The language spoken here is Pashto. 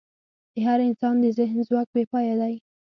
د انسان د ذهن ځواک بېپایه دی.